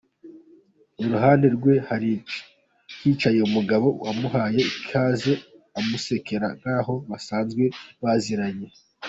Iruhande rwe hari hicaye umugabo wamuhaye ikaze amusekera nk’aho basanzwe baziranye.